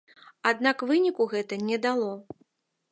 Аднак выніку гэта не дало.